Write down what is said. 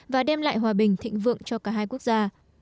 và đem lại hòa bình thịnh vượng cho cả hai quốc gia